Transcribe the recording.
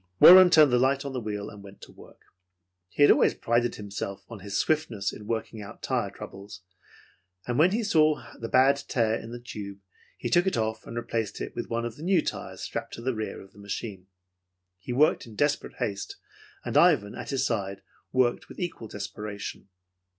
Warren turned the light on the wheel and went to work. He had always prided himself on his swiftness in working out tire troubles, and when he saw the bad tear in the tube, he took it off and replaced it with one of the new tires strapped to the rear of the machine. He worked in desperate haste, and Ivan, at his side, worked with equal desperation.